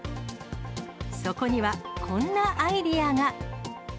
そこにはこんなアイデアが。